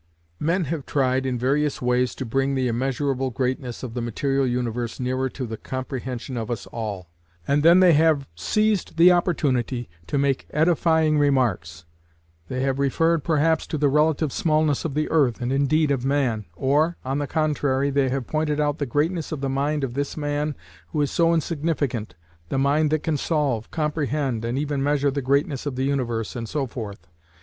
Men have tried in various ways to bring the immeasurable greatness of the material universe nearer to the comprehension of us all, and then they have seized the opportunity to make edifying remarks. They have referred perhaps to the relative smallness of the earth, and indeed of man; or, on the contrary, they have pointed out the greatness of the mind of this man who is so insignificant—the mind that can solve, comprehend, and even measure the greatness of the universe, and so forth.